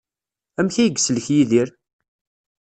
Amek ay yeslek Yidir?